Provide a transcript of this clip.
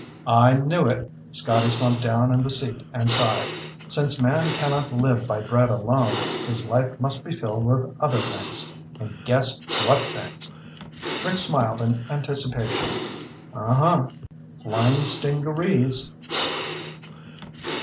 "I knew it." Scotty slumped down in the seat and sighed. "Since man cannot live by bread alone, his life must be filled with other things. And guess what things!" Rick smiled in anticipation. "Uh huh. Flying stingarees."